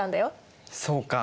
そうか。